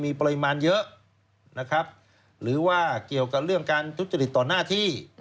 มีปริมาณเยอะนะครับหรือว่าเกี่ยวกับเรื่องการทุจริตต่อหน้าที่